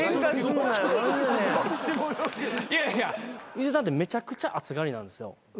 ゆずるさんってめちゃくちゃ暑がりなんですよ。